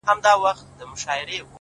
خو ژوند حتمي ستا له وجوده ملغلري غواړي!